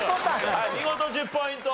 見事１０ポイント。